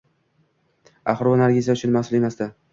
Axir u Nargiza uchun mas`ul emasmidi